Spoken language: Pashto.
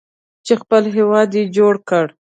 چې خپل هیواد یې جوړ کړ.